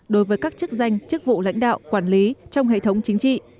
đối với các chức danh chức vụ lãnh đạo quản lý trong hệ thống chính trị